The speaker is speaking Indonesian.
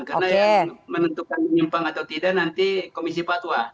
karena yang menentukan menyimpang atau tidak nanti komisi patwa